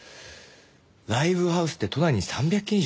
ライブハウスって都内に３００軒以上あるんですね。